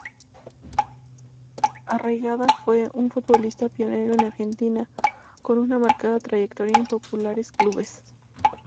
Arraigada fue un futbolista pionero en Argentina, con una marcada trayectoria en populares clubes.